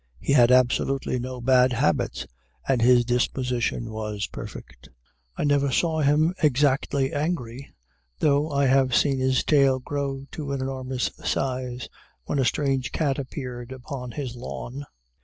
He had absolutely no bad habits, and his disposition was perfect. I never saw him exactly angry, though I have seen his tail grow to an enormous size when a strange cat appeared upon his lawn.